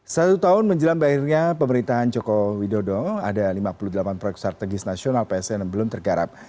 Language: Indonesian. satu tahun menjelang berakhirnya pemerintahan joko widodo ada lima puluh delapan proyek strategis nasional psn yang belum tergarap